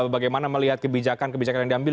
bagaimana melihat kebijakan kebijakan yang diambil